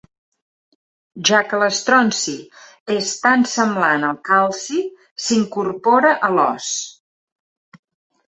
Ja que l'estronci és tan semblant al calci, s'incorpora a l'ós.